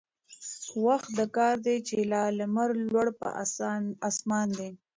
وخت د كار دى چي لا لمر لوړ پر آسمان دى